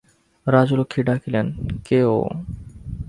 রাজলক্ষ্মী ডাকিলেন, কে ও।